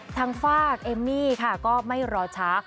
ทางฝากเอมมี่ค่ะก็ไม่รอช้า